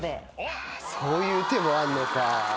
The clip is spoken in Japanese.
あそういう手もあんのか。